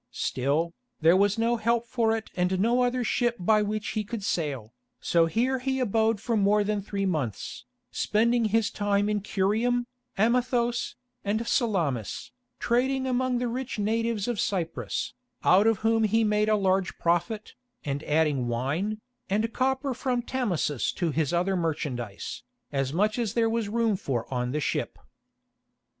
Still, there was no help for it and no other ship by which he could sail, so here he abode for more than three months, spending his time in Curium, Amathos and Salamis, trading among the rich natives of Cyprus, out of whom he made a large profit, and adding wine, and copper from Tamasus to his other merchandise, as much as there was room for on the ship.